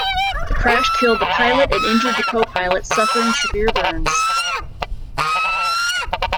The crash killed the pilot and injured the co-pilot, suffering severe burns.